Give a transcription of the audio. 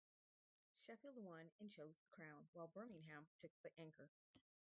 Sheffield won and chose the crown, while Birmingham took the anchor.